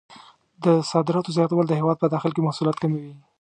د صادراتو زیاتول د هېواد په داخل کې محصولات کموي.